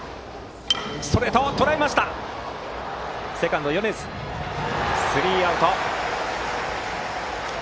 セカンド、米津がとってスリーアウト。